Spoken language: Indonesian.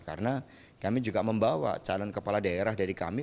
karena kami juga membawa calon kepala daerah dari kami